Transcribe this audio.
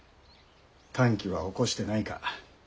短気は起こしてないか。